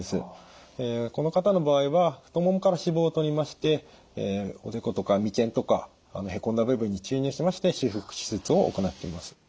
この方の場合は太ももから脂肪をとりましておでことか眉間とかへこんだ部分に注入しまして修復手術を行っています。